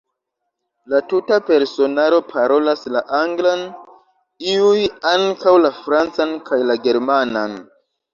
La tuta personaro parolas la anglan, iuj ankaŭ la francan kaj la germanan.